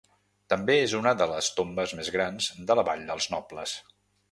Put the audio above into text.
També és una de les tombes més grans de la Vall dels Nobles.